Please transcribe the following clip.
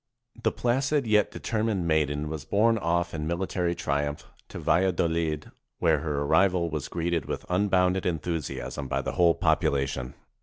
The placid yet determined maiden was borne off, in military triumph, to Valladolid, where her 455 SPAIN arrival was greeted with unbounded enthusiasm by the whole population.